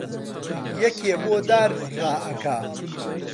یەکێ بۆ دار ڕائەکا